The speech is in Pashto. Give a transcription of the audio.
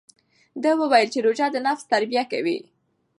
ده وویل چې روژه د نفس تربیه کوي.